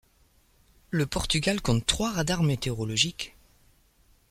Le Portugal compte trois radars météorologiques.